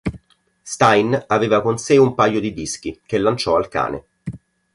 Stein aveva con sé un paio di dischi, che lanciò al cane.